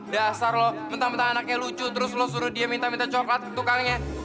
dasar lo mentah mentah anaknya lucu terus lo suruh dia minta minta coklat ke tukangnya